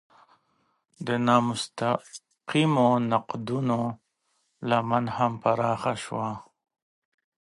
د نامستقیمو نقدونو لمن هم پراخه شوه.